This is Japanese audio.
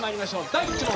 第１問。